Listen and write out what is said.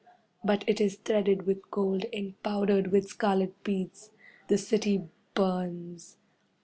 But it is threaded with gold and powdered with scarlet beads. The city burns.